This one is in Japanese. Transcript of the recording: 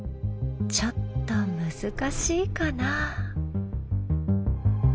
ちょっと難しいかな？